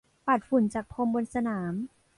ปัดฝุ่นจากพรมบนสนาม